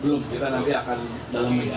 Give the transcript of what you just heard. belum kita nanti akan dalam minyak